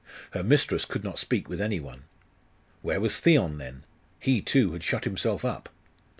Her mistress could not speak with any one. Where was Theon, then? He, too, had shut himself up.